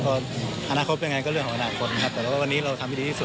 พออนาคตยังไงก็เรื่องของอนาคตนะครับแต่ว่าวันนี้เราทำให้ดีที่สุด